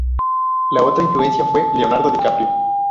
La otra influencia fue Leonardo DiCaprio.